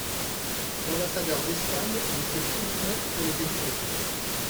L'ambassadeur d'Espagne ne sait plus où se mettre pour les éviter.